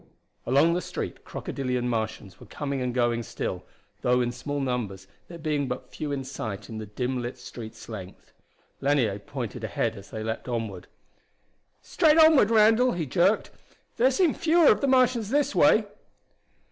Along the street crocodilian Martians were coming and going still, though in small numbers, there being but few in sight in the dim lit street's length. Lanier pointed ahead as they leaped onward. "Straight onward, Randall!" he jerked. "There seem fewer of the Martians this way!"